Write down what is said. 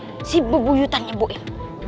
mana ye si bebu yutannya boem